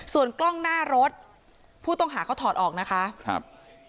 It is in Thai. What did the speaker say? ส่วนกล้องหน้ารถผู้ต้องหาเขาถอดออกนะคะครับ